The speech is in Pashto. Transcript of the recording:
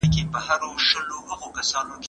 هغه وخت چي زه کوچنی وم لوبې مي کولې.